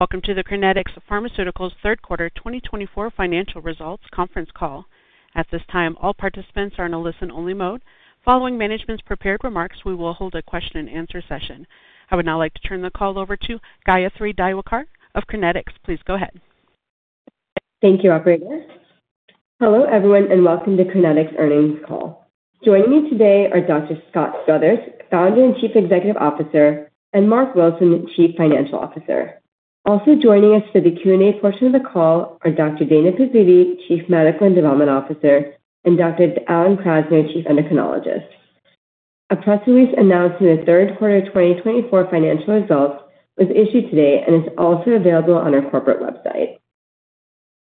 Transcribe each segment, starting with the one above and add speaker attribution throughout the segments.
Speaker 1: Welcome to the Crinetics Pharmaceuticals' third quarter 2024 financial results conference call. At this time, all participants are in a listen-only mode. Following management's prepared remarks, we will hold a question-and-answer session. I would now like to turn the call over to Gayathri Diwakar of Crinetics. Please go ahead.
Speaker 2: Thank you, Operator. Hello, everyone, and welcome to Crinetics' earnings call. Joining me today are Dr. Scott Struthers, Founder and Chief Executive Officer, and Marc Wilson, Chief Financial Officer. Also joining us for the Q&A portion of the call are Dr. Dana Pizzuti, Chief Medical and Development Officer, and Dr. Alan Krasner, Chief Endocrinologist. A press release announcing the third quarter 2024 financial results was issued today and is also available on our corporate website.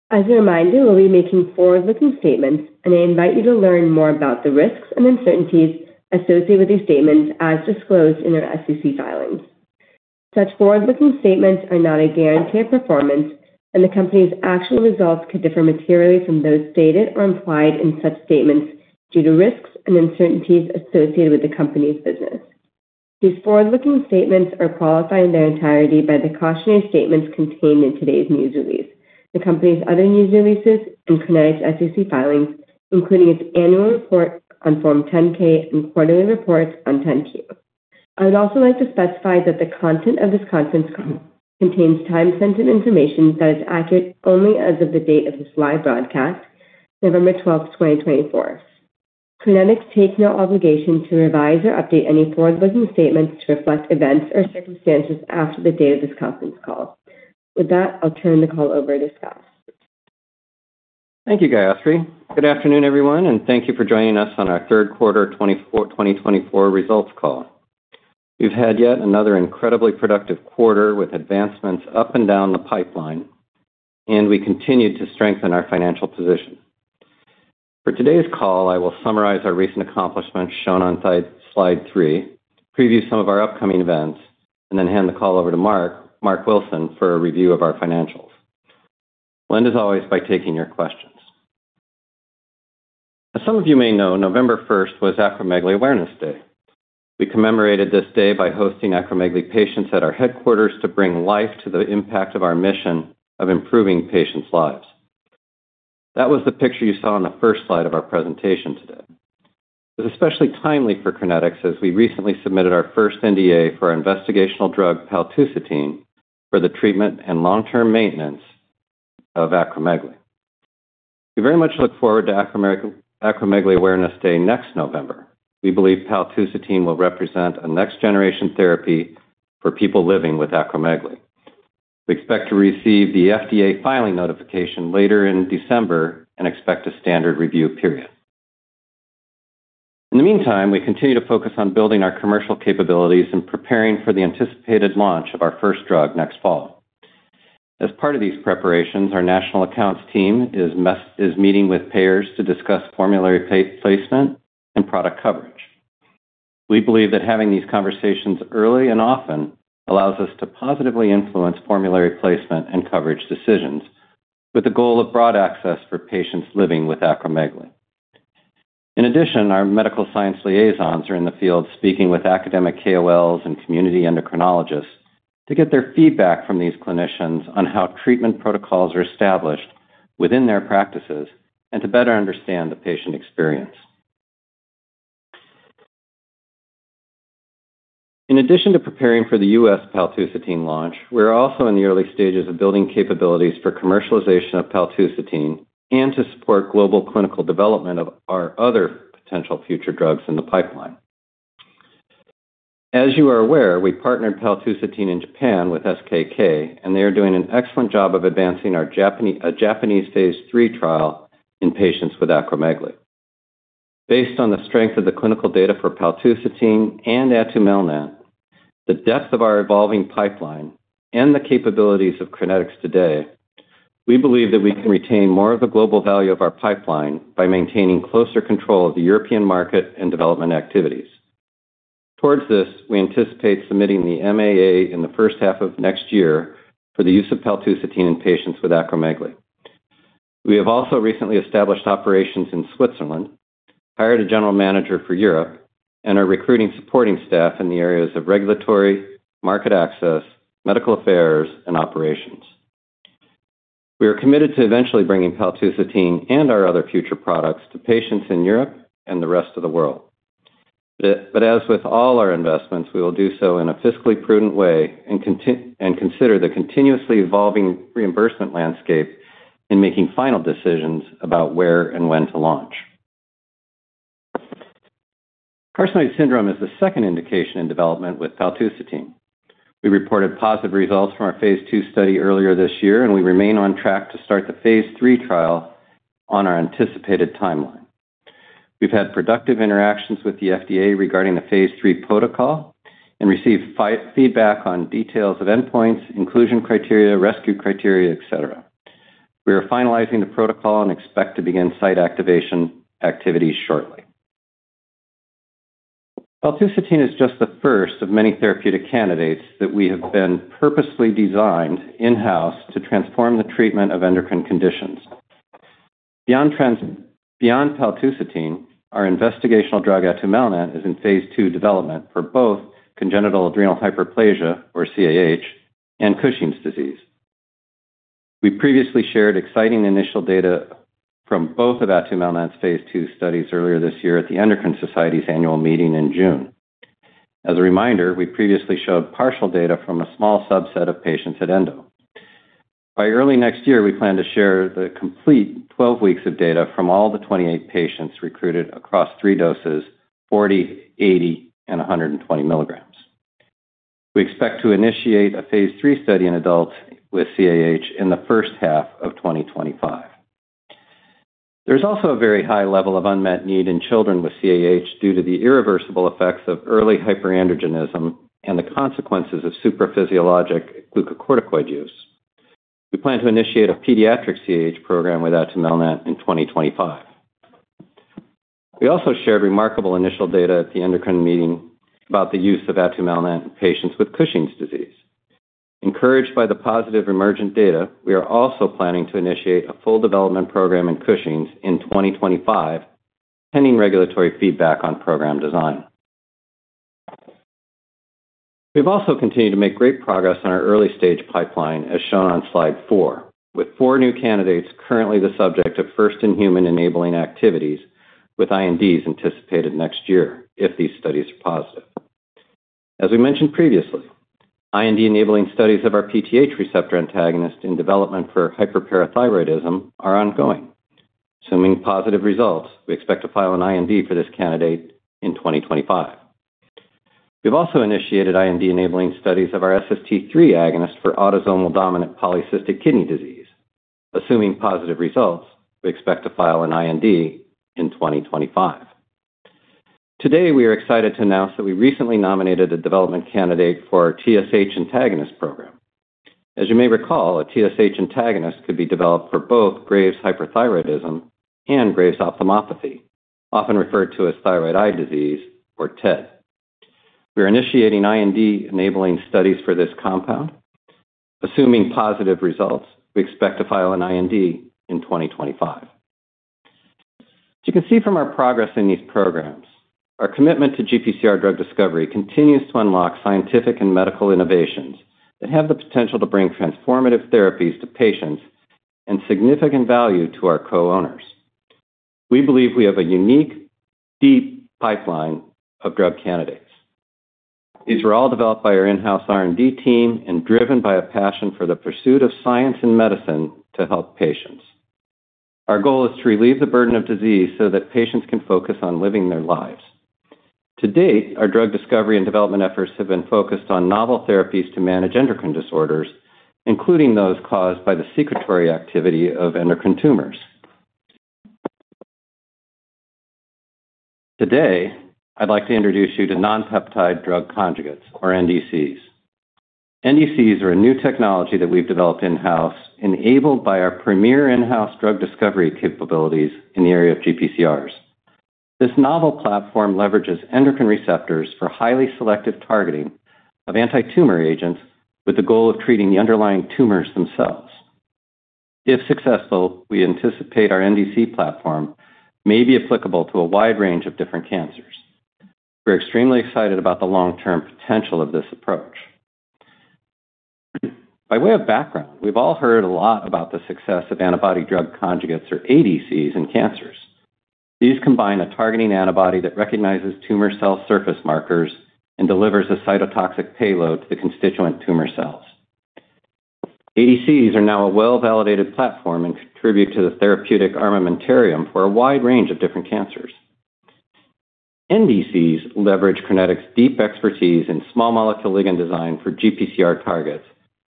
Speaker 2: As a reminder, we'll be making forward-looking statements, and I invite you to learn more about the risks and uncertainties associated with these statements as disclosed in our SEC filings. Such forward-looking statements are not a guarantee of performance, and the company's actual results could differ materially from those stated or implied in such statements due to risks and uncertainties associated with the company's business. These forward-looking statements are qualified in their entirety by the cautionary statements contained in today's news release, the company's other news releases, and Crinetics' SEC filings, including its annual report on Form 10-K and quarterly reports on 10-Q. I would also like to specify that the content of this conference call contains time-sensitive information that is accurate only as of the date of this live broadcast, November 12th, 2024. Crinetics takes no obligation to revise or update any forward-looking statements to reflect events or circumstances after the date of this conference call. With that, I'll turn the call over to Scott.
Speaker 3: Thank you, Gayathri. Good afternoon, everyone, and thank you for joining us on our third quarter 2024 results call. We've had yet another incredibly productive quarter with advancements up and down the pipeline, and we continue to strengthen our financial position. For today's call, I will summarize our recent accomplishments shown on slide three, preview some of our upcoming events, and then hand the call over to Marc Wilson for a review of our financials. We'll end, as always, by taking your questions. As some of you may know, November 1st was Acromegaly Awareness Day. We commemorated this day by hosting acromegaly patients at our headquarters to bring life to the impact of our mission of improving patients' lives. That was the picture you saw on the first slide of our presentation today. It was especially timely for Crinetics as we recently submitted our first NDA for our investigational drug, paltusotine, for the treatment and long-term maintenance of acromegaly. We very much look forward to Acromegaly Awareness Day next November. We believe paltusotine will represent a next-generation therapy for people living with acromegaly. We expect to receive the FDA filing notification later in December and expect a standard review period. In the meantime, we continue to focus on building our commercial capabilities and preparing for the anticipated launch of our first drug next fall. As part of these preparations, our national accounts team is meeting with payers to discuss formulary placement and product coverage. We believe that having these conversations early and often allows us to positively influence formulary placement and coverage decisions with the goal of broad access for patients living with acromegaly. In addition, our medical science liaisons are in the field speaking with academic KOLs and community endocrinologists to get their feedback from these clinicians on how treatment protocols are established within their practices and to better understand the patient experience. In addition to preparing for the U.S. paltusotine launch, we're also in the early stages of building capabilities for commercialization of paltusotine and to support global clinical development of our other potential future drugs in the pipeline. As you are aware, we partnered paltusotine in Japan with SKK, and they are doing an excellent job of advancing our Japanese phase three trial in patients with acromegaly. Based on the strength of the clinical data for paltusotine and atumelnant, the depth of our evolving pipeline, and the capabilities of Crinetics today, we believe that we can retain more of the global value of our pipeline by maintaining closer control of the European market and development activities. Towards this, we anticipate submitting the MAA in the first half of next year for the use of paltusotine in patients with acromegaly. We have also recently established operations in Switzerland, hired a general manager for Europe, and are recruiting supporting staff in the areas of regulatory, market access, medical affairs, and operations. We are committed to eventually bringing paltusotine and our other future products to patients in Europe and the rest of the world. But as with all our investments, we will do so in a fiscally prudent way and consider the continuously evolving reimbursement landscape in making final decisions about where and when to launch. Carcinoid syndrome is the second indication in development with paltusotine. We reported positive results from our phase two study earlier this year, and we remain on track to start the phase three trial on our anticipated timeline. We've had productive interactions with the FDA regarding the phase three protocol and received feedback on details of endpoints, inclusion criteria, rescue criteria, etc. We are finalizing the protocol and expect to begin site activation activity shortly. Paltusotine is just the first of many therapeutic candidates that we have been purposely designed in-house to transform the treatment of endocrine conditions. Beyond paltusotine, our investigational drug atumelnant is in phase two development for both congenital adrenal hyperplasia, or CAH, and Cushing's disease. We previously shared exciting initial data from both of atumelnant's phase 2 studies earlier this year at the Endocrine Society's annual meeting in June. As a reminder, we previously showed partial data from a small subset of patients at Endo. By early next year, we plan to share the complete 12 weeks of data from all the 28 patients recruited across three doses, 40, 80, and 120 milligrams. We expect to initiate a phase 3 study in adults with CAH in the first half of 2025. There's also a very high level of unmet need in children with CAH due to the irreversible effects of early hyperandrogenism and the consequences of supraphysiologic glucocorticoid use. We plan to initiate a pediatric CAH program with atumelnant in 2025. We also shared remarkable initial data at the endocrine meeting about the use of atumelnant in patients with Cushing's disease. Encouraged by the positive emergent data, we are also planning to initiate a full development program in Cushing's in 2025, pending regulatory feedback on program design. We've also continued to make great progress on our early stage pipeline, as shown on slide four, with four new candidates currently the subject of first-in-human enabling activities with INDs anticipated next year if these studies are positive. As we mentioned previously, IND enabling studies of our PTH receptor antagonist in development for hyperparathyroidism are ongoing. Assuming positive results, we expect to file an IND for this candidate in 2025. We've also initiated IND enabling studies of our SST3 agonist for autosomal dominant polycystic kidney disease. Assuming positive results, we expect to file an IND in 2025. Today, we are excited to announce that we recently nominated a development candidate for our TSH antagonist program. As you may recall, a TSH antagonist could be developed for both Graves' hyperthyroidism and Graves' ophthalmopathy, often referred to as thyroid eye disease or TED. We are initiating IND enabling studies for this compound. Assuming positive results, we expect to file an IND in 2025. As you can see from our progress in these programs, our commitment to GPCR drug discovery continues to unlock scientific and medical innovations that have the potential to bring transformative therapies to patients and significant value to our co-owners. We believe we have a unique, deep pipeline of drug candidates. These were all developed by our in-house R&D team and driven by a passion for the pursuit of science and medicine to help patients. Our goal is to relieve the burden of disease so that patients can focus on living their lives. To date, our drug discovery and development efforts have been focused on novel therapies to manage endocrine disorders, including those caused by the secretory activity of endocrine tumors. Today, I'd like to introduce you to non-peptide drug conjugates, or NDCs. NDCs are a new technology that we've developed in-house, enabled by our premier in-house drug discovery capabilities in the area of GPCRs. This novel platform leverages endocrine receptors for highly selective targeting of anti-tumor agents with the goal of treating the underlying tumors themselves. If successful, we anticipate our NDC platform may be applicable to a wide range of different cancers. We're extremely excited about the long-term potential of this approach. By way of background, we've all heard a lot about the success of antibody drug conjugates, or ADCs, in cancers. These combine a targeting antibody that recognizes tumor cell surface markers and delivers a cytotoxic payload to the constituent tumor cells. ADCs are now a well-validated platform and contribute to the therapeutic armamentarium for a wide range of different cancers. NDCs leverage Crinetics' deep expertise in small molecule ligand design for GPCR targets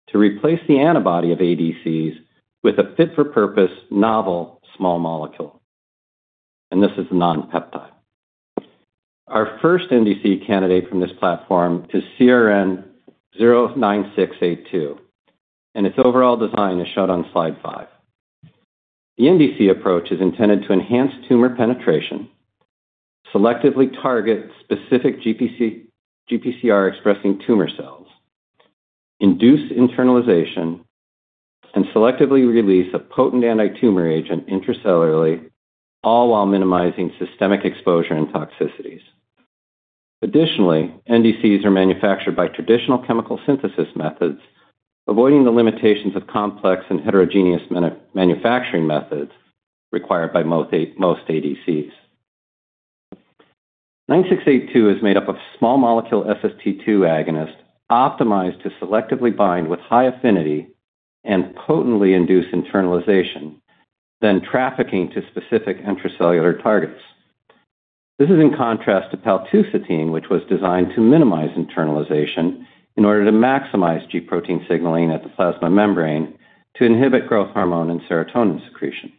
Speaker 3: to replace the antibody of ADCs with a fit-for-purpose, novel small molecule. This is non-peptide. Our first NDC candidate from this platform is CRN09682, and its overall design is shown on slide five. The NDC approach is intended to enhance tumor penetration, selectively target specific GPCR-expressing tumor cells, induce internalization, and selectively release a potent anti-tumor agent intracellularly, all while minimizing systemic exposure and toxicities. Additionally, NDCs are manufactured by traditional chemical synthesis methods, avoiding the limitations of complex and heterogeneous manufacturing methods required by most ADCs. 9682 is made up of small molecule SST2 agonists optimized to selectively bind with high affinity and potently induce internalization, then trafficking to specific intracellular targets. This is in contrast to paltusotine, which was designed to minimize internalization in order to maximize G-protein signaling at the plasma membrane to inhibit growth hormone and serotonin secretion.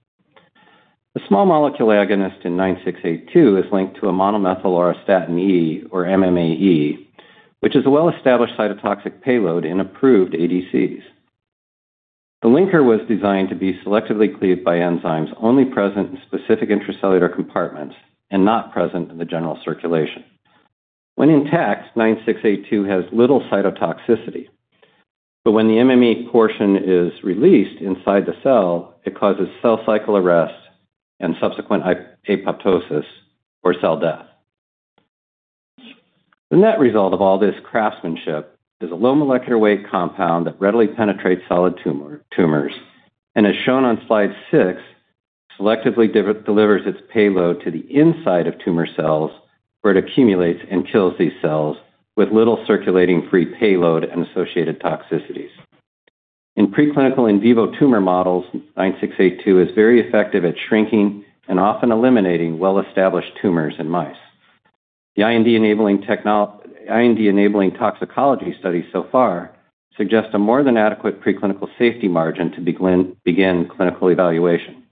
Speaker 3: The small molecule agonist in 9682 is linked to a monomethyl auristatin E, or MMAE, which is a well-established cytotoxic payload in approved ADCs. The linker was designed to be selectively cleaved by enzymes only present in specific intracellular compartments and not present in the general circulation. When intact, 9682 has little cytotoxicity, but when the MMAE portion is released inside the cell, it causes cell cycle arrest and subsequent apoptosis or cell death. The net result of all this craftsmanship is a low molecular weight compound that readily penetrates solid tumors and, as shown on slide six, selectively delivers its payload to the inside of tumor cells where it accumulates and kills these cells with little circulating free payload and associated toxicities. In preclinical in vivo tumor models, 9682 is very effective at shrinking and often eliminating well-established tumors in mice. The IND enabling toxicology studies so far suggest a more than adequate preclinical safety margin to begin clinical evaluation.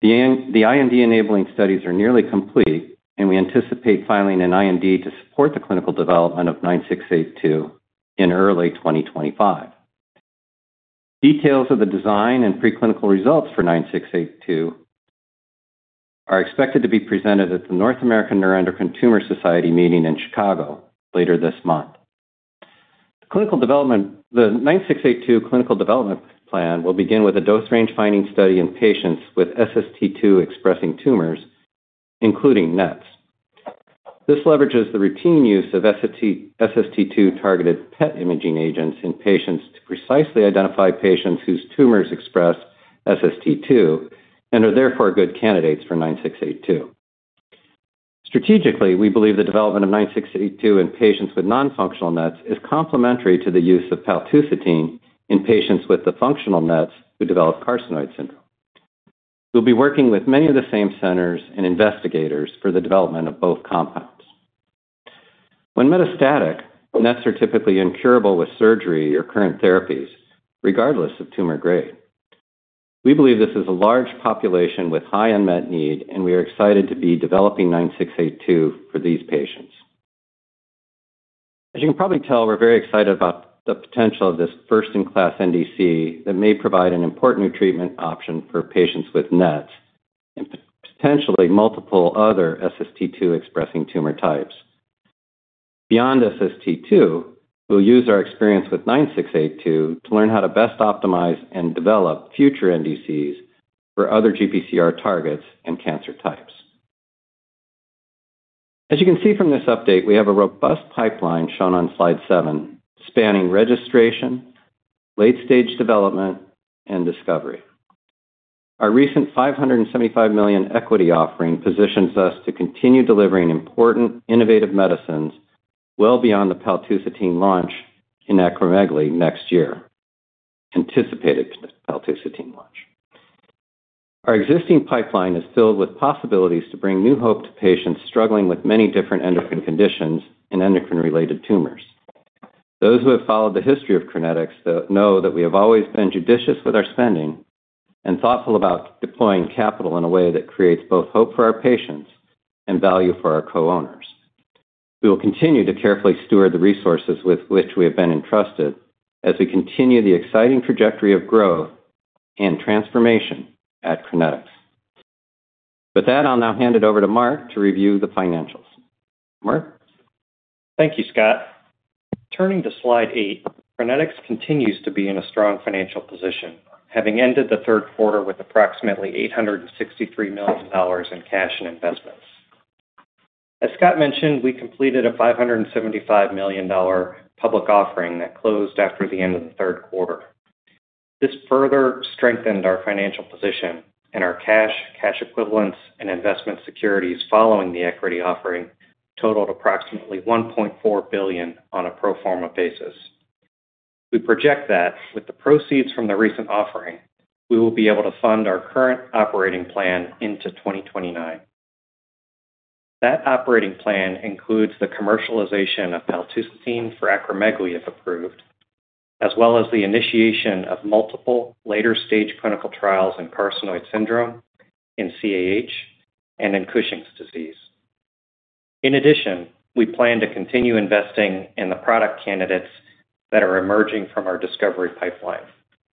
Speaker 3: The IND enabling studies are nearly complete, and we anticipate filing an IND to support the clinical development of 9682 in early 2025. Details of the design and preclinical results for 9682 are expected to be presented at the North American Neuroendocrine Tumor Society meeting in Chicago later this month. The 9682 clinical development plan will begin with a dose range finding study in patients with SST2-expressing tumors, including NETs. This leverages the routine use of SST2-targeted PET imaging agents in patients to precisely identify patients whose tumors express SST2 and are therefore good candidates for 9682. Strategically, we believe the development of 9682 in patients with non-functional NETs is complementary to the use of paltusotine in patients with the functional NETs who develop carcinoid syndrome. We'll be working with many of the same centers and investigators for the development of both compounds. When metastatic, NETs are typically incurable with surgery or current therapies, regardless of tumor grade. We believe this is a large population with high unmet need, and we are excited to be developing 9682 for these patients. As you can probably tell, we're very excited about the potential of this first-in-class NDC that may provide an important new treatment option for patients with NETs and potentially multiple other SST2-expressing tumor types. Beyond SST2, we'll use our experience with 9682 to learn how to best optimize and develop future NDCs for other GPCR targets and cancer types. As you can see from this update, we have a robust pipeline shown on slide seven, spanning registration, late-stage development, and discovery. Our recent $575 million equity offering positions us to continue delivering important, innovative medicines well beyond the paltusotine launch in acromegaly next year, anticipated paltusotine launch. Our existing pipeline is filled with possibilities to bring new hope to patients struggling with many different endocrine conditions and endocrine-related tumors. Those who have followed the history of Crinetics know that we have always been judicious with our spending and thoughtful about deploying capital in a way that creates both hope for our patients and value for our co-owners. We will continue to carefully steward the resources with which we have been entrusted as we continue the exciting trajectory of growth and transformation at Crinetics. With that, I'll now hand it over to Marc to review the financials. Marc?
Speaker 4: Thank you, Scott. Turning to slide eight, Crinetics continues to be in a strong financial position, having ended the third quarter with approximately $863 million in cash and investments. As Scott mentioned, we completed a $575 million public offering that closed after the end of the third quarter. This further strengthened our financial position, and our cash, cash equivalents, and investment securities following the equity offering totaled approximately $1.4 billion on a pro forma basis. We project that with the proceeds from the recent offering, we will be able to fund our current operating plan into 2029. That operating plan includes the commercialization of paltusotine for acromegaly if approved, as well as the initiation of multiple later-stage clinical trials in carcinoid syndrome, in CAH, and in Cushing's disease. In addition, we plan to continue investing in the product candidates that are emerging from our discovery pipeline,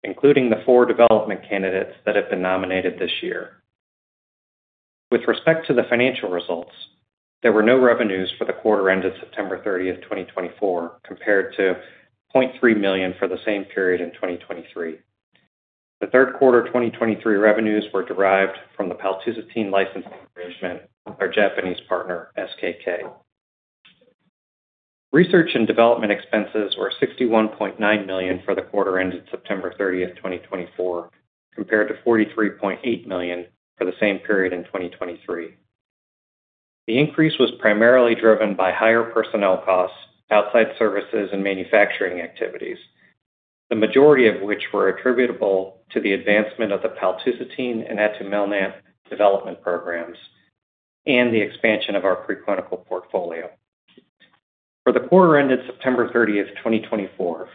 Speaker 4: including the four development candidates that have been nominated this year. With respect to the financial results, there were no revenues for the quarter ended September 30, 2024, compared to $0.3 million for the same period in 2023. The third quarter 2024 revenues were derived from the paltusotine licensing arrangement with our Japanese partner, SKK. Research and development expenses were $61.9 million for the quarter ended September 30, 2024, compared to $43.8 million for the same period in 2023. The increase was primarily driven by higher personnel costs, outside services, and manufacturing activities, the majority of which were attributable to the advancement of the paltusotine and atumelnant development programs and the expansion of our preclinical portfolio. For the quarter ended September 30, 2024,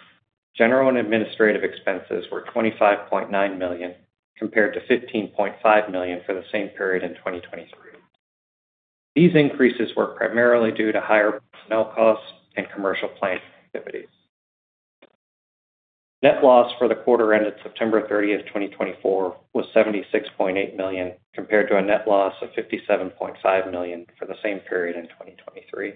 Speaker 4: general and administrative expenses were $25.9 million compared to $15.5 million for the same period in 2023. These increases were primarily due to higher personnel costs and commercial planning activities. Net loss for the quarter ended September 30, 2024, was $76.8 million compared to a net loss of $57.5 million for the same period in 2023.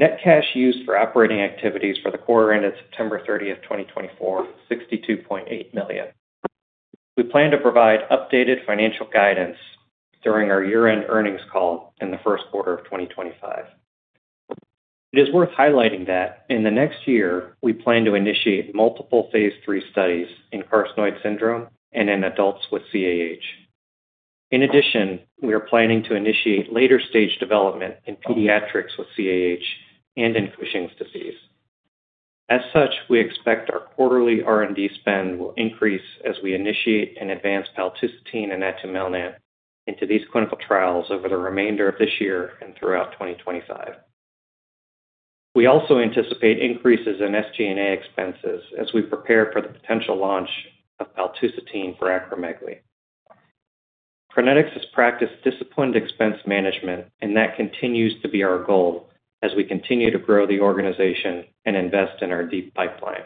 Speaker 4: Net cash used for operating activities for the quarter ended September 30, 2024, was $62.8 million. We plan to provide updated financial guidance during our year-end earnings call in the first quarter of 2025. It is worth highlighting that in the next year, we plan to initiate multiple phase 3 studies in carcinoid syndrome and in adults with CAH. In addition, we are planning to initiate later-stage development in pediatrics with CAH and in Cushing's disease. As such, we expect our quarterly R&D spend will increase as we initiate and advance paltusotine and atumelnant into these clinical trials over the remainder of this year and throughout 2025. We also anticipate increases in SG&A expenses as we prepare for the potential launch of paltusotine for acromegaly. Crinetics has practiced disciplined expense management, and that continues to be our goal as we continue to grow the organization and invest in our deep pipeline,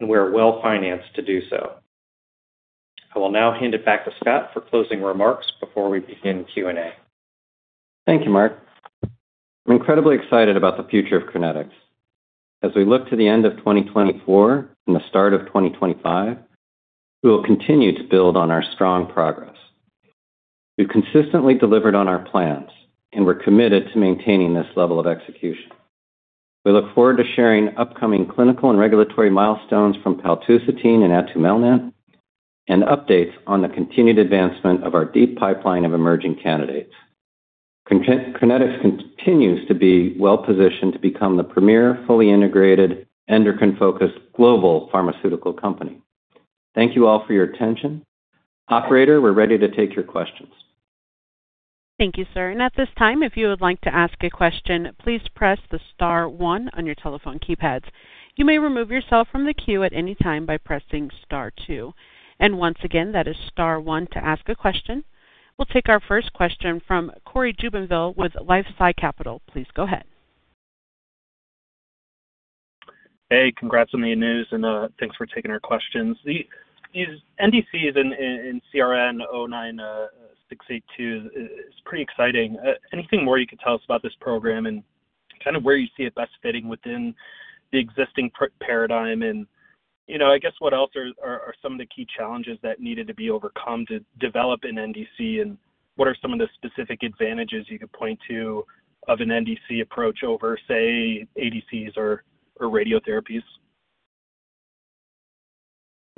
Speaker 4: and we are well financed to do so. I will now hand it back to Scott for closing remarks before we begin Q&A.
Speaker 3: Thank you, Marc. I'm incredibly excited about the future of Crinetics. As we look to the end of 2024 and the start of 2025, we will continue to build on our strong progress. We've consistently delivered on our plans, and we're committed to maintaining this level of execution. We look forward to sharing upcoming clinical and regulatory milestones from paltusotine and atumelnant and updates on the continued advancement of our deep pipeline of emerging candidates. Crinetics continues to be well positioned to become the premier, fully integrated, endocrine-focused global pharmaceutical company. Thank you all for your attention. Operator, we're ready to take your questions.
Speaker 1: Thank you, sir. And at this time, if you would like to ask a question, please press the star one on your telephone keypads. You may remove yourself from the queue at any time by pressing star two. And once again, that is star one to ask a question. We'll take our first question from Cory Jubinville with LifeSci Capital. Please go ahead.
Speaker 5: Hey, congrats on the news, and thanks for taking our questions. NDCs and CRN09682, it's pretty exciting. Anything more you could tell us about this program and kind of where you see it best fitting within the existing paradigm? And I guess what else are some of the key challenges that needed to be overcome to develop an NDC, and what are some of the specific advantages you could point to of an NDC approach over, say, ADCs or radiotherapies?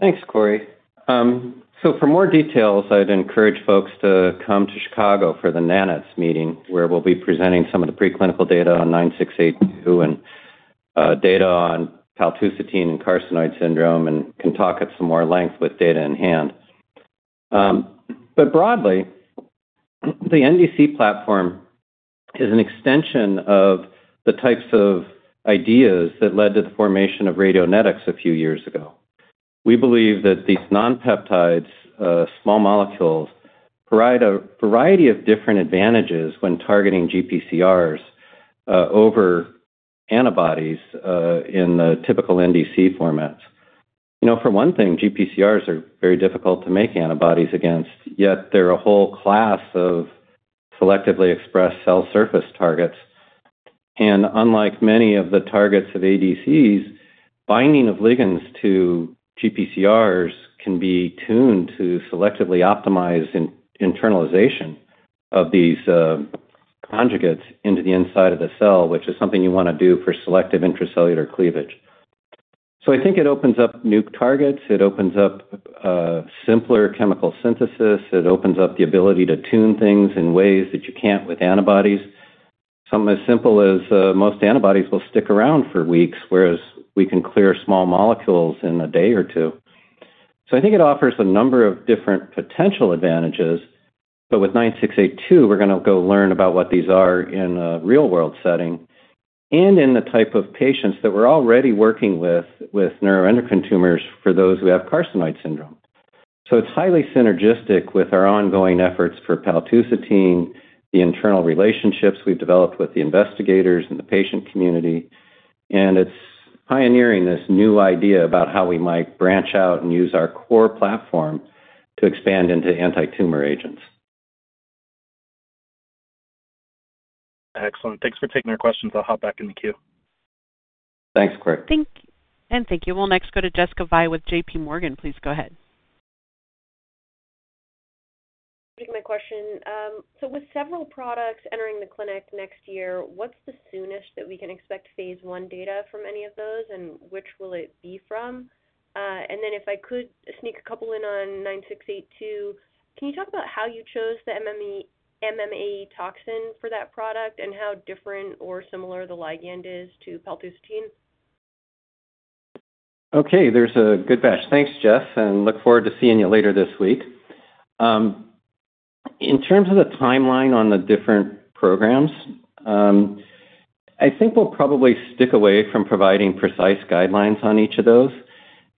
Speaker 3: Thanks, Cory. So for more details, I'd encourage folks to come to Chicago for the NANETS meeting where we'll be presenting some of the preclinical data on 9682 and data on paltusotine and carcinoid syndrome and can talk at some more length with data in hand. But broadly, the NDC platform is an extension of the types of ideas that led to the formation of Radionetics a few years ago. We believe that these non-peptides, small molecules, provide a variety of different advantages when targeting GPCRs over antibodies in the typical NDC formats. For one thing, GPCRs are very difficult to make antibodies against, yet they're a whole class of selectively expressed cell surface targets. Unlike many of the targets of ADCs, binding of ligands to GPCRs can be tuned to selectively optimize internalization of these conjugates into the inside of the cell, which is something you want to do for selective intracellular cleavage. So I think it opens up new targets. It opens up simpler chemical synthesis. It opens up the ability to tune things in ways that you can't with antibodies. Something as simple as most antibodies will stick around for weeks, whereas we can clear small molecules in a day or two. So I think it offers a number of different potential advantages, but with 9682, we're going to go learn about what these are in a real-world setting and in the type of patients that we're already working with neuroendocrine tumors for those who have carcinoid syndrome. So it's highly synergistic with our ongoing efforts for paltusotine, the internal relationships we've developed with the investigators and the patient community, and it's pioneering this new idea about how we might branch out and use our core platform to expand into anti-tumor agents.
Speaker 5: Excellent. Thanks for taking our questions. I'll hop back in the queue.
Speaker 3: Thanks, Cory.
Speaker 1: Thank you. And thank you. We'll next go to Jessica Fye with JPMorgan. Please go ahead.
Speaker 6: My question. So with several products entering the clinic next year, what's the soonest that we can expect phase 1 data from any of those, and which will it be from? And then if I could sneak a couple in on 9682, can you talk about how you chose the MMA toxin for that product and how different or similar the ligand is to paltusotine?
Speaker 3: Okay. There's a good batch. Thanks, Jess, and look forward to seeing you later this week. In terms of the timeline on the different programs, I think we'll probably stick away from providing precise guidelines on each of those.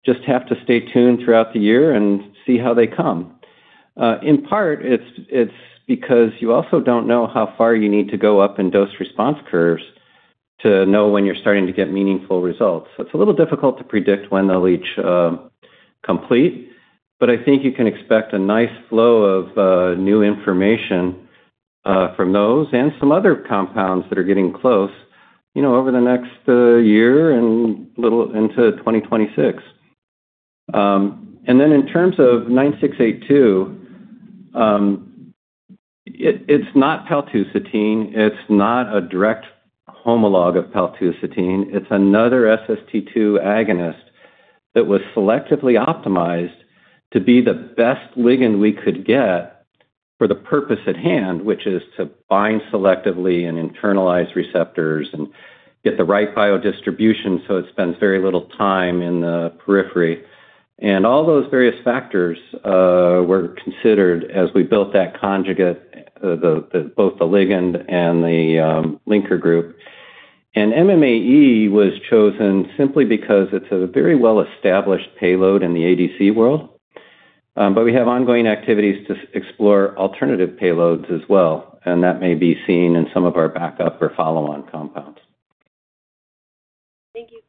Speaker 3: Just have to stay tuned throughout the year and see how they come. In part, it's because you also don't know how far you need to go up in dose-response curves to know when you're starting to get meaningful results. It's a little difficult to predict when they'll each complete, but I think you can expect a nice flow of new information from those and some other compounds that are getting close over the next year and a little into 2026, and then in terms of 9682, it's not paltusotine. It's not a direct homolog of paltusotine. It's another SST2 agonist that was selectively optimized to be the best ligand we could get for the purpose at hand, which is to bind selectively and internalize receptors and get the right biodistribution so it spends very little time in the periphery. And all those various factors were considered as we built that conjugate, both the ligand and the linker group. And MMAE was chosen simply because it's a very well-established payload in the ADC world, but we have ongoing activities to explore alternative payloads as well, and that may be seen in some of our backup or follow-on compounds.
Speaker 6: Thank you.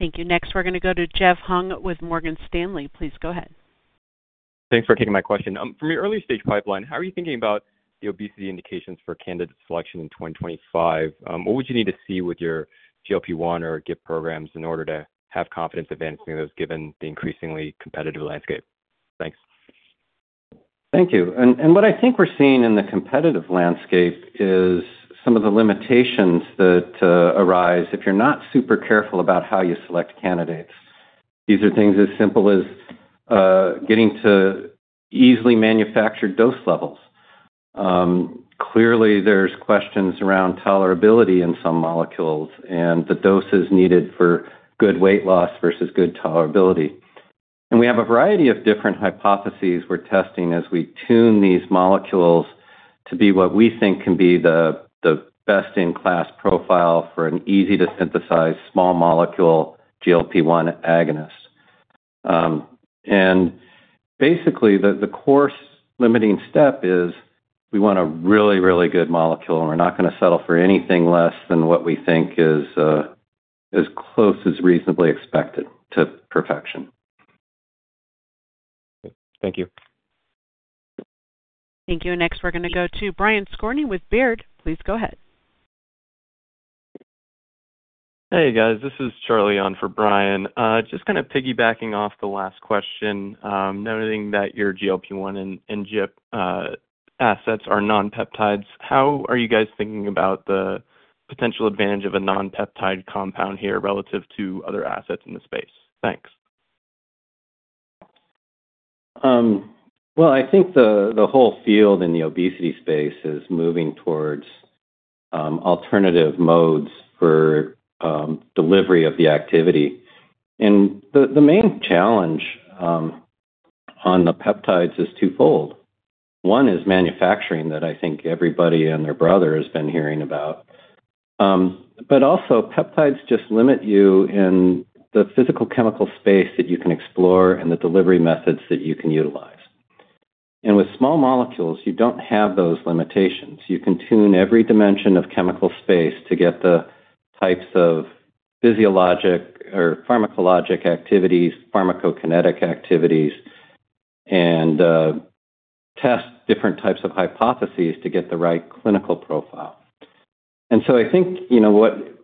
Speaker 1: Thank you. Next, we're going to go to Jeff Hung with Morgan Stanley. Please go ahead.
Speaker 7: Thanks for taking my question. From your early-stage pipeline, how are you thinking about the obesity indications for candidate selection in 2025? What would you need to see with your GLP-1 or GIP programs in order to have confidence advancing those given the increasingly competitive landscape? Thanks.
Speaker 3: Thank you. And what I think we're seeing in the competitive landscape is some of the limitations that arise if you're not super careful about how you select candidates. These are things as simple as getting to easily manufactured dose levels. Clearly, there's questions around tolerability in some molecules and the doses needed for good weight loss versus good tolerability. And we have a variety of different hypotheses we're testing as we tune these molecules to be what we think can be the best-in-class profile for an easy-to-synthesize small molecule GLP-1 agonist. Basically, the cost-limiting step is we want a really, really good molecule, and we're not going to settle for anything less than what we think is as close as reasonably expected to perfection.
Speaker 7: Thank you.
Speaker 1: Thank you. Next, we're going to go to Brian Skorney with Baird. Please go ahead.
Speaker 8: Hey, guys. This is Charlie on for Brian. Just kind of piggybacking off the last question, noting that your GLP-1 and GIP assets are non-peptides, how are you guys thinking about the potential advantage of a non-peptide compound here relative to other assets in the space? Thanks.
Speaker 3: I think the whole field in the obesity space is moving towards alternative modes for delivery of the activity. The main challenge on the peptides is twofold. One is manufacturing that I think everybody and their brother has been hearing about. But also, peptides just limit you in the physical-chemical space that you can explore and the delivery methods that you can utilize. And with small molecules, you don't have those limitations. You can tune every dimension of chemical space to get the types of physiologic or pharmacologic activities, pharmacokinetic activities, and test different types of hypotheses to get the right clinical profile. And so I think what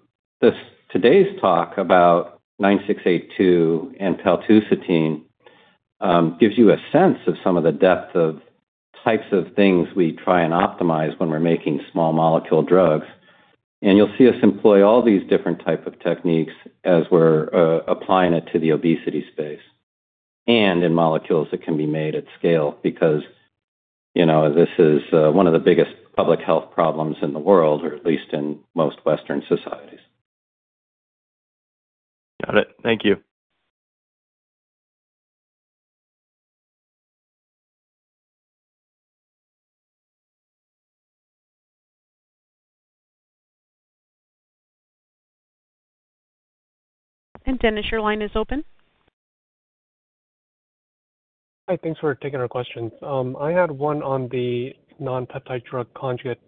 Speaker 3: today's talk about 9682 and paltusotine gives you a sense of some of the depth of types of things we try and optimize when we're making small molecule drugs. And you'll see us employ all these different types of techniques as we're applying it to the obesity space and in molecules that can be made at scale because this is one of the biggest public health problems in the world, or at least in most Western societies.
Speaker 8: Got it. Thank you.
Speaker 1: And Dennis, your line is open.
Speaker 9: Hi. Thanks for taking our questions. I had one on the non-peptide drug conjugate.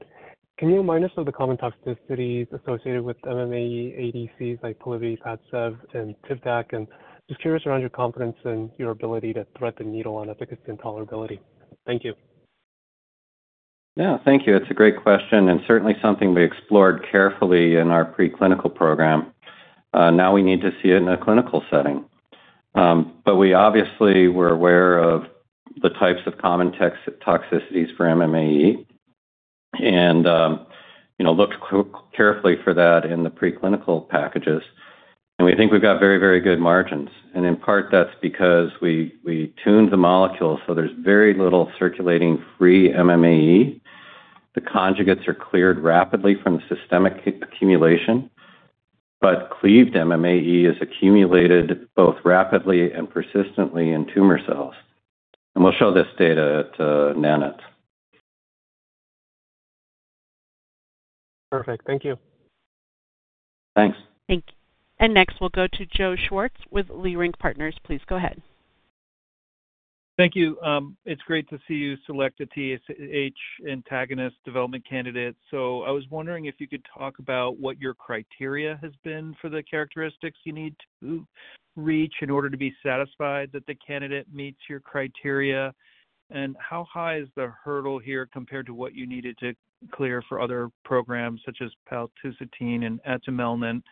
Speaker 9: Can you remind us of the common toxicities associated with MMAE ADCs like Polivy, Padcev, and Tivdak? And just curious around your confidence and your ability to thread the needle on efficacy and tolerability. Thank you.
Speaker 3: Yeah. Thank you. It's a great question and certainly something we explored carefully in our preclinical program. Now we need to see it in a clinical setting. But we obviously were aware of the types of common toxicities for MMAE and looked carefully for that in the preclinical packages. And we think we've got very, very good margins. And in part, that's because we tuned the molecule so there's very little circulating free MMAE. The conjugates are cleared rapidly from the systemic accumulation, but cleaved MMAE is accumulated both rapidly and persistently in tumor cells. And we'll show this data at NANETS.
Speaker 9: Perfect. Thank you.
Speaker 3: Thanks.
Speaker 1: Thank you. And next, we'll go to Joe Schwartz with Leerink Partners. Please go ahead.
Speaker 10: Thank you. It's great to see you select a TSH antagonist development candidate. So I was wondering if you could talk about what your criteria has been for the characteristics you need to reach in order to be satisfied that the candidate meets your criteria. And how high is the hurdle here compared to what you needed to clear for other programs such as paltusotine and atumelnant?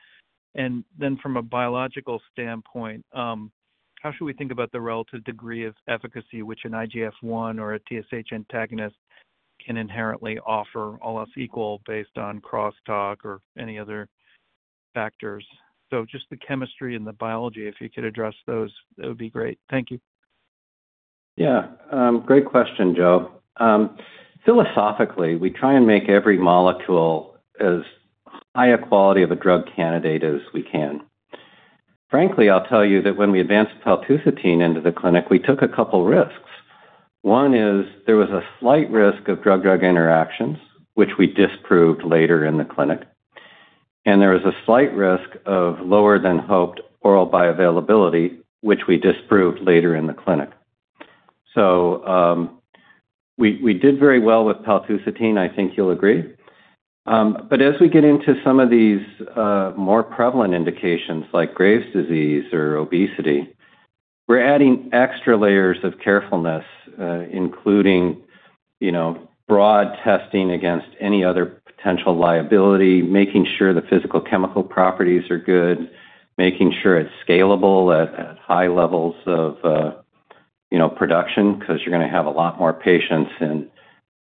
Speaker 10: And then from a biological standpoint, how should we think about the relative degree of efficacy which an IGF-1 or a TSH antagonist can inherently offer almost equal based on crosstalk or any other factors? So just the chemistry and the biology, if you could address those, that would be great. Thank you.
Speaker 3: Yeah. Great question, Joe. Philosophically, we try and make every molecule as high a quality of a drug candidate as we can. Frankly, I'll tell you that when we advanced paltusotine into the clinic, we took a couple of risks. One is there was a slight risk of drug-drug interactions, which we disproved later in the clinic. And there was a slight risk of lower-than-hoped oral bioavailability, which we disproved later in the clinic. So we did very well with paltusotine, I think you'll agree. But as we get into some of these more prevalent indications like Graves' disease or obesity, we're adding extra layers of carefulness, including broad testing against any other potential liability, making sure the physical-chemical properties are good, making sure it's scalable at high levels of production because you're going to have a lot more patients in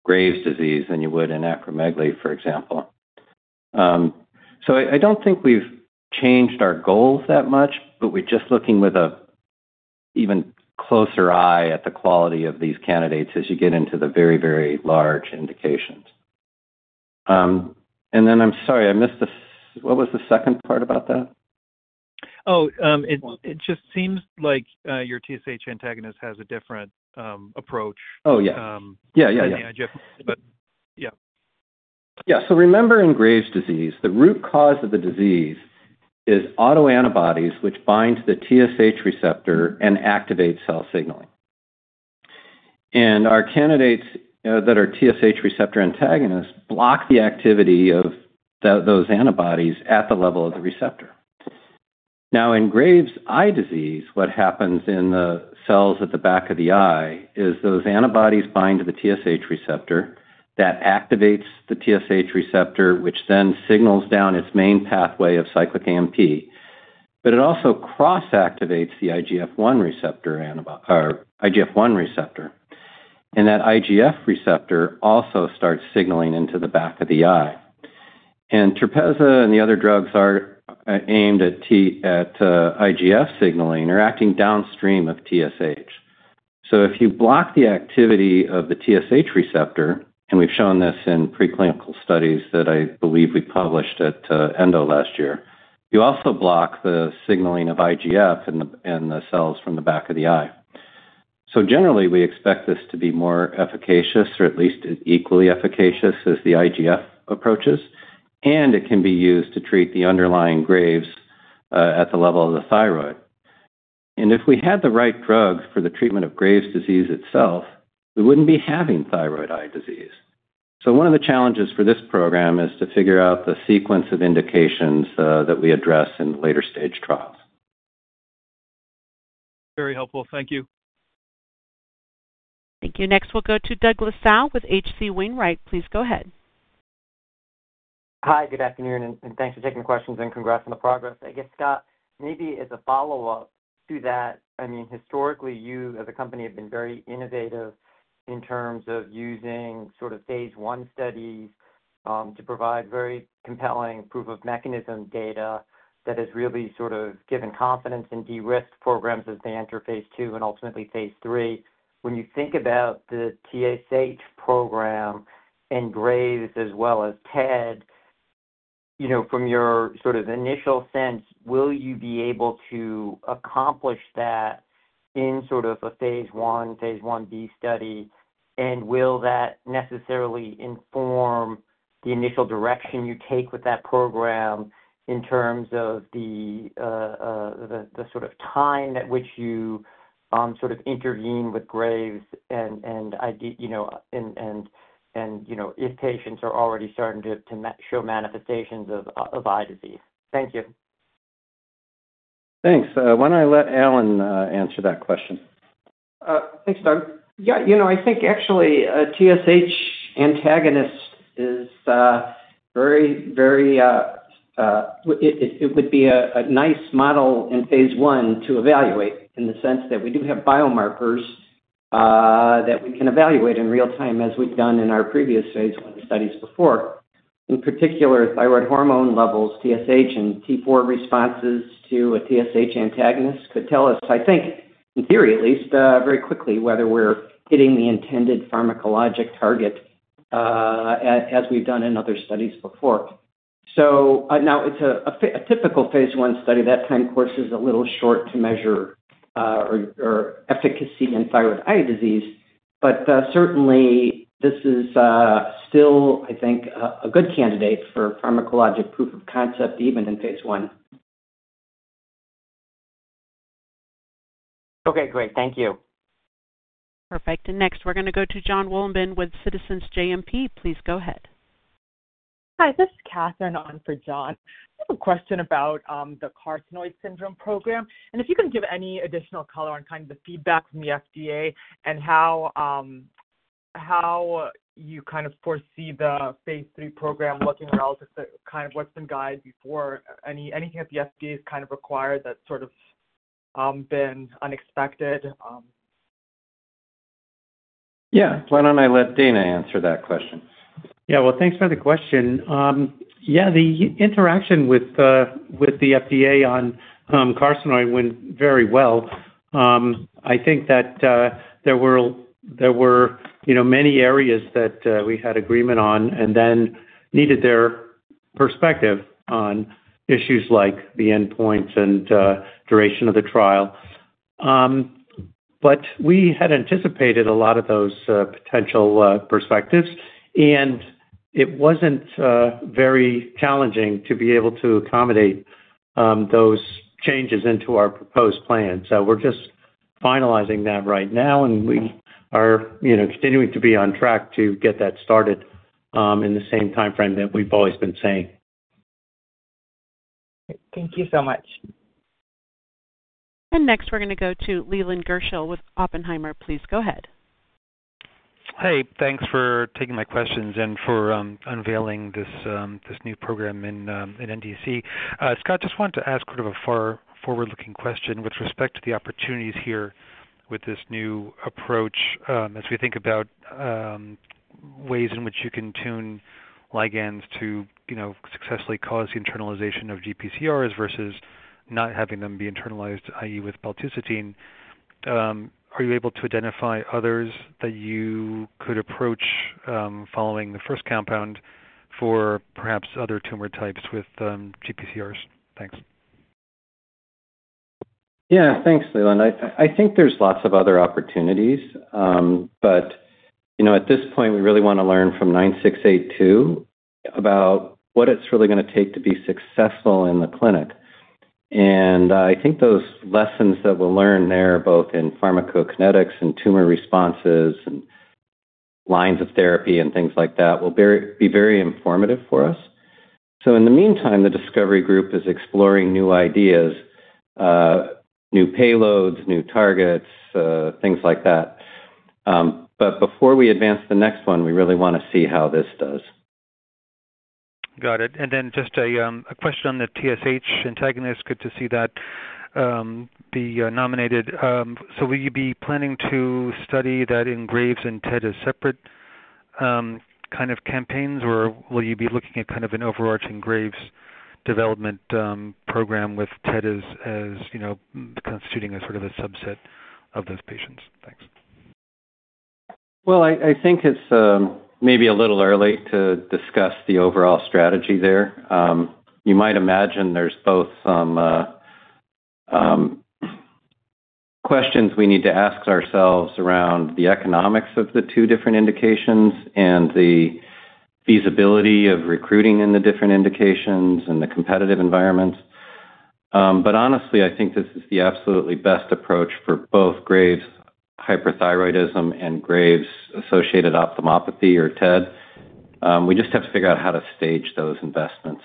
Speaker 3: Graves' disease than you would in acromegaly, for example. So I don't think we've changed our goals that much, but we're just looking with an even closer eye at the quality of these candidates as you get into the very, very large indications. And then I'm sorry, I missed the—what was the second part about that?
Speaker 10: Oh, it just seems like your TSH antagonist has a different approach.
Speaker 3: Oh, yeah. Yeah, yeah, yeah. Yeah. So remember in Graves' Disease, the root cause of the disease is autoantibodies which bind to the TSH receptor and activate cell signaling. And our candidates that are TSH receptor antagonists block the activity of those antibodies at the level of the receptor. Now, in Graves' eye disease, what happens in the cells at the back of the eye is those antibodies bind to the TSH receptor that activates the TSH receptor, which then signals down its main pathway of cyclic AMP. But it also cross-activates the IGF-1 receptor. And that IGF receptor also starts signaling into the back of the eye. And Tepezza and the other drugs are aimed at IGF signaling or acting downstream of TSH. So if you block the activity of the TSH receptor, and we've shown this in preclinical studies that I believe we published at Endo last year, you also block the signaling of IGF in the cells from the back of the eye. So generally, we expect this to be more efficacious or at least equally efficacious as the IGF approaches. And it can be used to treat the underlying Graves' at the level of the thyroid. And if we had the right drug for the treatment of Graves' disease itself, we wouldn't be having thyroid eye disease. So one of the challenges for this program is to figure out the sequence of indications that we address in later-stage trials.
Speaker 10: Very helpful. Thank you.
Speaker 1: Thank you. Next, we'll go to Douglas Tsao with H.C. Wainwright. Please go ahead.
Speaker 11: Hi. Good afternoon. Thanks for taking the questions and congrats on the progress. I guess, Scott, maybe as a follow-up to that, I mean, historically, you as a company have been very innovative in terms of using sort of phase 1 studies to provide very compelling proof-of-mechanism data that has really sort of given confidence in de-risk programs as they enter phase 2 and ultimately phase 3. When you think about the TSH program and Graves' as well as TED, from your sort of initial sense, will you be able to accomplish that in sort of a phase 1, phase 1b study? And will that necessarily inform the initial direction you take with that program in terms of the sort of time at which you sort of intervene with Graves' and if patients are already starting to show manifestations of eye disease? Thank you.
Speaker 3: Thanks. Why don't I let Alan answer that question?
Speaker 12: Thanks, Doug. Yeah. I think actually a TSH antagonist is very, very. It would be a nice model in phase 1 to evaluate in the sense that we do have biomarkers that we can evaluate in real time as we've done in our previous phase 1 studies before. In particular, thyroid hormone levels, TSH, and T4 responses to a TSH antagonist could tell us, I think, in theory at least, very quickly whether we're hitting the intended pharmacologic target as we've done in other studies before. So now it's a typical phase 1 study. That time course is a little short to measure efficacy in thyroid eye disease. But certainly, this is still, I think, a good candidate for pharmacologic proof of concept even in phase 1.
Speaker 11: Okay. Great. Thank you.
Speaker 1: Perfect. And next, we're going to go to Jon Wolleben with Citizens JMP. Please go ahead. Hi.
Speaker 13: This is Kathryn on for Jon. I have a question about the carcinoid syndrome program, and if you can give any additional color on kind of the feedback from the FDA and how you kind of foresee the phase three program looking relative to kind of what's been guided before, anything that the FDA has kind of required that's sort of been unexpected? Yeah. Why don't I let Dana answer that question?
Speaker 14: Yeah. Well, thanks for the question. Yeah. The interaction with the FDA on carcinoid went very well. I think that there were many areas that we had agreement on and then needed their perspective on issues like the endpoints and duration of the trial, but we had anticipated a lot of those potential perspectives, and it wasn't very challenging to be able to accommodate those changes into our proposed plan, so we're just finalizing that right now. We are continuing to be on track to get that started in the same timeframe that we've always been saying.
Speaker 1: Thank you so much. Next, we're going to go to Leland Gershell with Oppenheimer. Please go ahead.
Speaker 15: Hi. Thanks for taking my questions and for unveiling this new program in NDC. Scott, just wanted to ask sort of a far-forward-looking question with respect to the opportunities here with this new approach as we think about ways in which you can tune ligands to successfully cause the internalization of GPCRs versus not having them be internalized, i.e., with paltusotine. Are you able to identify others that you could approach following the first compound for perhaps other tumor types with GPCRs? Thanks.
Speaker 3: Yeah. Thanks, Leland. I think there's lots of other opportunities. But at this point, we really want to learn from 9682 about what it's really going to take to be successful in the clinic. And I think those lessons that we'll learn there, both in pharmacokinetics and tumor responses and lines of therapy and things like that, will be very informative for us. So in the meantime, the discovery group is exploring new ideas, new payloads, new targets, things like that. But before we advance the next one, we really want to see how this does.
Speaker 15: Got it. And then just a question on the TSH antagonist. Good to see that it's nominated. So will you be planning to study that in Graves' and TED as separate kind of campaigns? Or will you be looking at kind of an overarching Graves' development program with TED as constituting a sort of a subset of those patients? Thanks.
Speaker 3: Well, I think it's maybe a little early to discuss the overall strategy there. You might imagine there's both some questions we need to ask ourselves around the economics of the two different indications and the feasibility of recruiting in the different indications and the competitive environments. But honestly, I think this is the absolutely best approach for both Graves' hyperthyroidism and Graves' associated ophthalmopathy or TED. We just have to figure out how to stage those investments.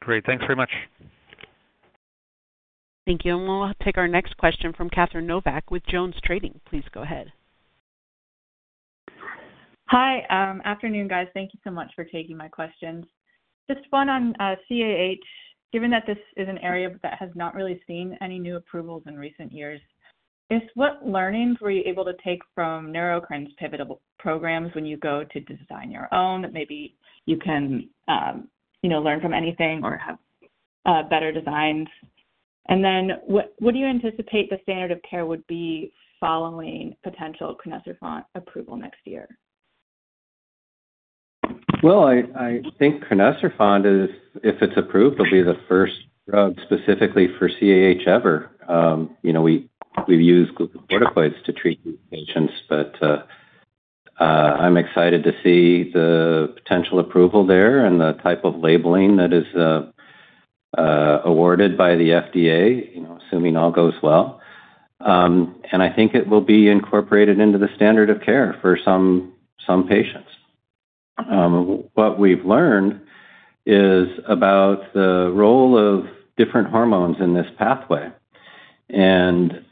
Speaker 15: Great. Thanks very much.
Speaker 3: Thank you. And we'll take our next question from Catherine Novack with Jones Trading. Please go ahead.
Speaker 16: Hi. Afternoon, guys. Thank you so much for taking my questions. Just one on CAH. Given that this is an area that has not really seen any new approvals in recent years, what learnings were you able to take from Neurocrine's pivotal programs when you go to design your own that maybe you can learn from anything or have better designs? And then what do you anticipate the standard of care would be following potential crinecerfont approval next year?
Speaker 3: Well, I think crinecerfont, if it's approved, will be the first drug specifically for CAH ever. We've used glucocorticoids to treat these patients. But I'm excited to see the potential approval there and the type of labeling that is awarded by the FDA, assuming all goes well. And I think it will be incorporated into the standard of care for some patients. What we've learned is about the role of different hormones in this pathway. And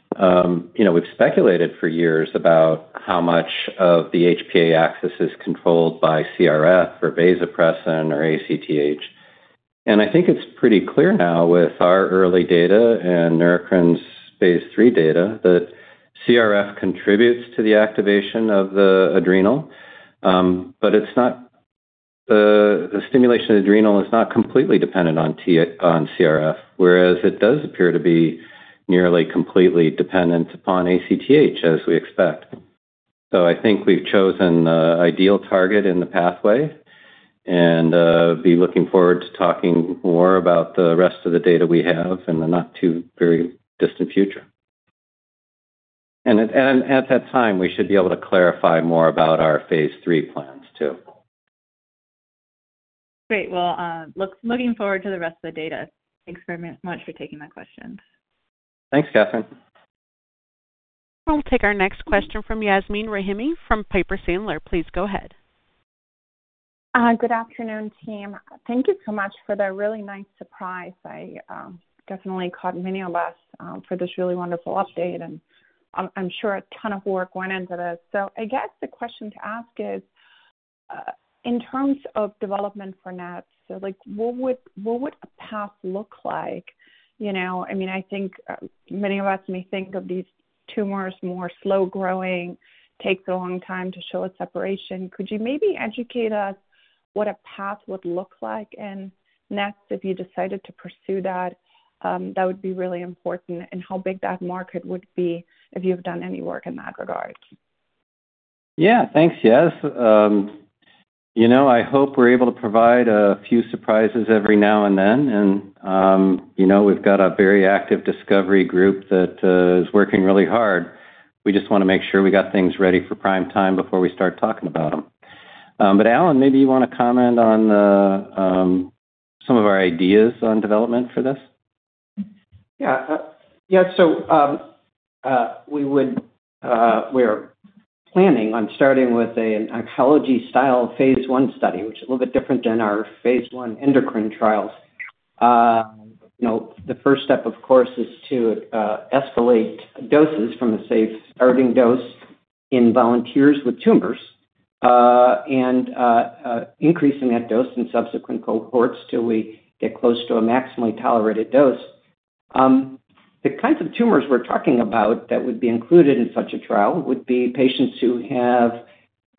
Speaker 3: we've speculated for years about how much of the HPA axis is controlled by CRF or vasopressin or ACTH. And I think it's pretty clear now with our early data and Neurocrine's phase three data that CRF contributes to the activation of the adrenal. But the stimulation of the adrenal is not completely dependent on CRF, whereas it does appear to be nearly completely dependent upon ACTH, as we expect. So I think we've chosen the ideal target in the pathway and be looking forward to talking more about the rest of the data we have in the not-too-very-distant future. And at that time, we should be able to clarify more about our phase three plans too.
Speaker 16: Great. Well, looking forward to the rest of the data. Thanks very much for taking my questions.
Speaker 3: Thanks, Kathryn.
Speaker 1: We'll take our next question from Yasmeen Rahimi from Piper Sandler. Please go ahead.
Speaker 17: Good afternoon, team. Thank you so much for the really nice surprise. I definitely caught many of us for this really wonderful update. And I'm sure a ton of work went into this. So I guess the question to ask is, in terms of development for NANETS, what would a path look like? I mean, I think many of us may think of these tumors more slow-growing, take a long time to show a separation. Could you maybe educate us what a path would look like? And next, if you decided to pursue that, that would be really important. And how big that market would be if you've done any work in that regard?
Speaker 3: Yeah. Thanks, Yaz. I hope we're able to provide a few surprises every now and then. And we've got a very active discovery group that is working really hard. We just want to make sure we got things ready for prime time before we start talking about them. But Alan, maybe you want to comment on some of our ideas on development for this?
Speaker 12: Yeah. Yeah. So we're planning on starting with an oncology-style phase one study, which is a little bit different than our phase one endocrine trials. The first step, of course, is to escalate doses from a safe starting dose in volunteers with tumors and increasing that dose in subsequent cohorts till we get close to a maximally tolerated dose. The kinds of tumors we're talking about that would be included in such a trial would be patients who have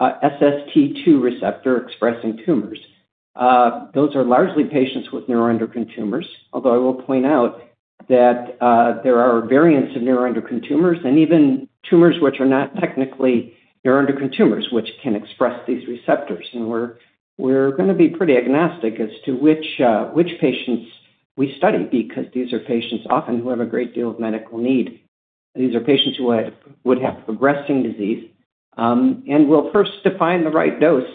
Speaker 12: SST2 receptor-expressing tumors. Those are largely patients with neuroendocrine tumors, although I will point out that there are variants of neuroendocrine tumors and even tumors which are not technically neuroendocrine tumors, which can express these receptors. We're going to be pretty agnostic as to which patients we study because these are patients often who have a great deal of medical need. These are patients who would have progressing disease. We'll first define the right dose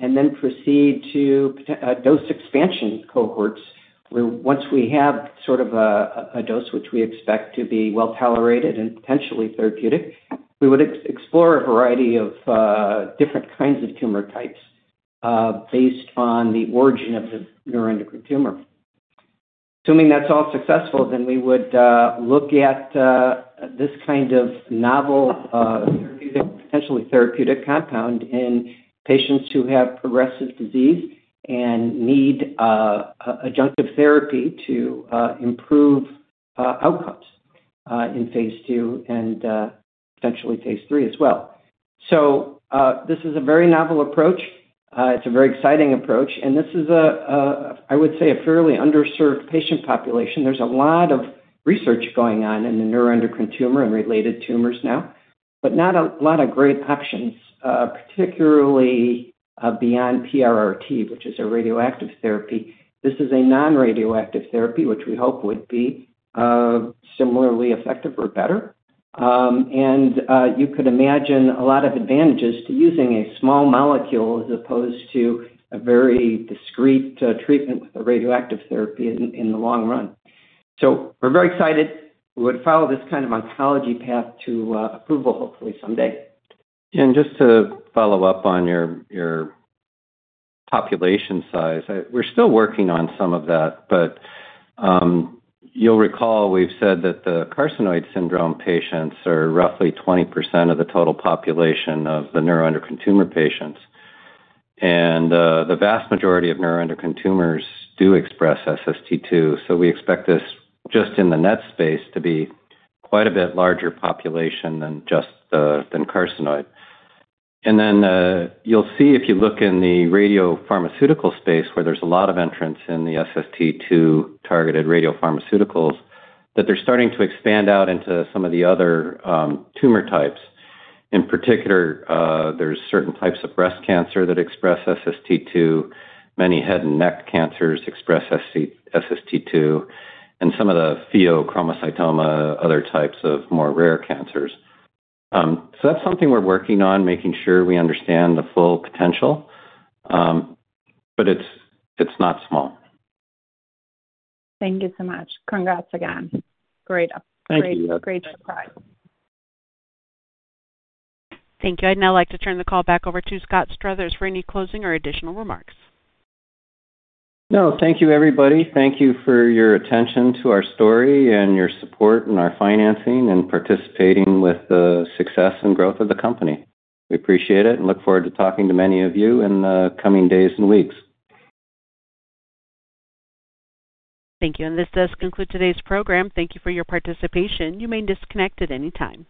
Speaker 12: and then proceed to dose expansion cohorts where, once we have sort of a dose which we expect to be well-tolerated and potentially therapeutic, we would explore a variety of different kinds of tumor types based on the origin of the neuroendocrine tumor. Assuming that's all successful, then we would look at this kind of novel potentially therapeutic compound in patients who have progressive disease and need adjunctive therapy to improve outcomes in phase two and potentially phase three as well. This is a very novel approach. It's a very exciting approach. This is, I would say, a fairly underserved patient population. There's a lot of research going on in the neuroendocrine tumor and related tumors now, but not a lot of great options, particularly beyond PRRT, which is a radioactive therapy. This is a non-radioactive therapy, which we hope would be similarly effective or better. And you could imagine a lot of advantages to using a small molecule as opposed to a very discreet treatment with a radioactive therapy in the long run. So we're very excited. We would follow this kind of oncology path to approval hopefully someday.
Speaker 3: And just to follow up on your population size, we're still working on some of that. But you'll recall we've said that the carcinoid syndrome patients are roughly 20% of the total population of the neuroendocrine tumor patients. And the vast majority of neuroendocrine tumors do express SST2. So we expect this, just in the NETs space, to be quite a bit larger population than just the carcinoid. And then you'll see, if you look in the radiopharmaceutical space, where there's a lot of entrants in the SST2-targeted radiopharmaceuticals, that they're starting to expand out into some of the other tumor types. In particular, there's certain types of breast cancer that express SST2. Many head and neck cancers express SST2 and some of the pheochromocytoma, other types of more rare cancers. So that's something we're working on, making sure we understand the full potential. But it's not small.
Speaker 17: Thank you so much. Congrats again. Great. Thank you. Great surprise.
Speaker 1: Thank you. I'd now like to turn the call back over to Scott Struthers for any closing or additional remarks.
Speaker 3: No. Thank you, everybody. Thank you for your attention to our story and your support in our financing and participating with the success and growth of the company. We appreciate it and look forward to talking to many of you in the coming days and weeks.
Speaker 1: Thank you. This does conclude today's program. Thank you for your participation. You may disconnect at any time.